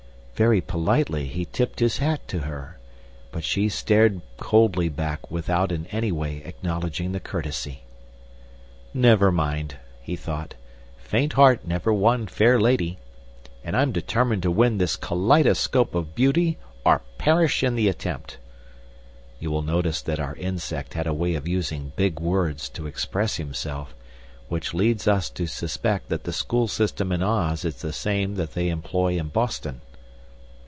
Very politely he tipped his to her; but she stared coldly back without in any way acknowledging the courtesy. "Never mind," he thought; "'faint heart never won fair lady.' And I'm determined to win this kaliedoscope of beauty or perish in the attempt!" You will notice that our insect had a way of using big words to express himself, which leads us to suspect that the school system in Oz is the same they employ in Boston.